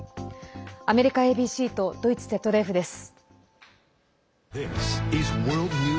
アメリカＡＢＣとドイツＺＤＦです。